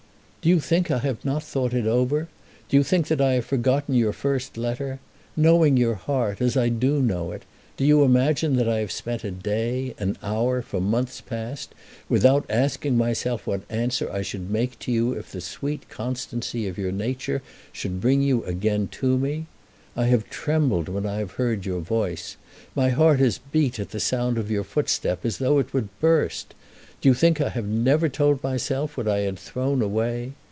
"Do you think I have not thought it over? Do you think that I have forgotten your first letter? Knowing your heart, as I do know it, do you imagine that I have spent a day, an hour, for months past, without asking myself what answer I should make to you if the sweet constancy of your nature should bring you again to me? I have trembled when I have heard your voice. My heart has beat at the sound of your footstep as though it would burst! Do you think I have never told myself what I had thrown away?